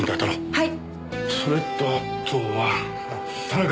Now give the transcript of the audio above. はい！